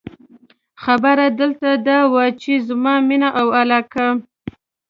خبره دلته دا وه، چې زما مینه او علاقه.